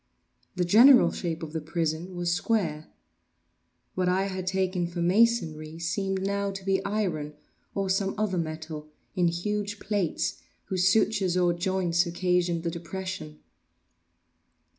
The general shape of the prison was square. What I had taken for masonry seemed now to be iron, or some other metal, in huge plates, whose sutures or joints occasioned the depression.